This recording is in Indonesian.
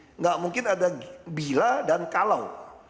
tidak mungkin ada bila dan kalau